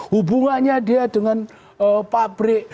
hubungannya dia dengan pabrik